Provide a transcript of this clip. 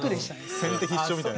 先手必勝みたいな。